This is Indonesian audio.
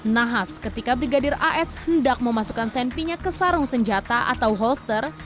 nahas ketika brigadir as hendak memasukkan senpinya ke sarung senjata atau holster